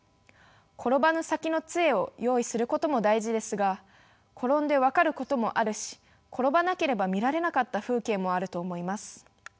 「転ばぬ先の杖」を用意することも大事ですが転んで分かることもあるし転ばなければ見られなかった風景もあると思います。